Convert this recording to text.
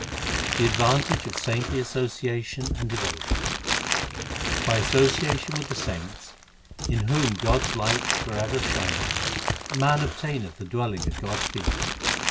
The advantage of saintly association and devo tion : By association with the saints, in whom God s light for ever shineth, Man obtaineth a dwelling at God s feet.